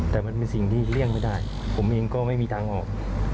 แต่มันเป็นสิ่งที่เลี่ยงไม่ได้ผมเองก็ไม่มีทางออก